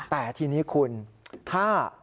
แต่ทีนี้คุณถ้า